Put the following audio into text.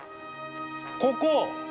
ここ！